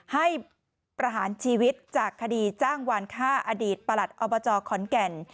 ให้ประหารชีวิตจากคดีจ้างวานฆ่าอดีตประหลัดอบจขอนแก่น